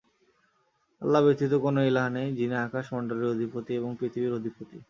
আল্লাহ ব্যতীত কোন ইলাহ নেই, যিনি আকাশ মণ্ডলীর অধিপতি ও পৃথিবীর অধিপতি।